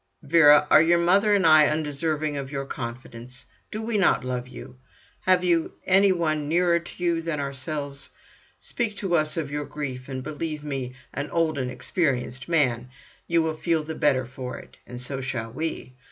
"Vera, are your mother and I undeserving of your confidence? Do we not love you? Have you any one nearer to you than ourselves? Speak to us of your grief, and believe me, an old and experienced man, you will feel the better for it. And so shall we.